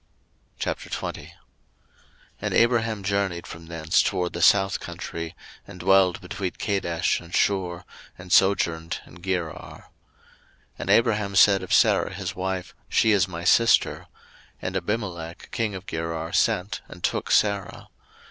01:020:001 And Abraham journeyed from thence toward the south country, and dwelled between Kadesh and Shur, and sojourned in Gerar. 01:020:002 And Abraham said of Sarah his wife, She is my sister: and Abimelech king of Gerar sent, and took Sarah.